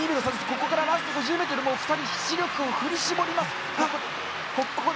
ここからラスト５０ｍ２人、死力を振り絞ります。